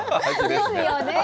ですよね。